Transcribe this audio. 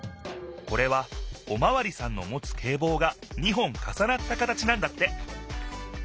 これはおまわりさんのもつけいぼうが２本かさなった形なんだって。